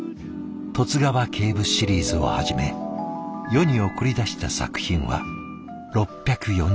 「十津川警部シリーズ」をはじめ世に送り出した作品は６４０以上。